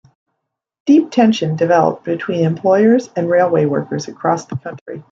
Deep tension developed between employers and railway workers across the country.